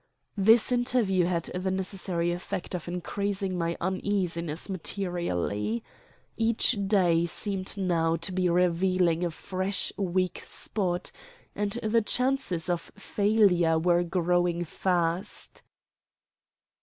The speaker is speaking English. This interview had the necessary effect of increasing my uneasiness materially. Each day seemed now to be revealing a fresh weak spot, and the chances of failure were growing fast.